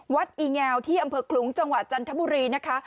อีแงวที่อำเภอคลุ้งจังหวัดจันทบุรีนะคะ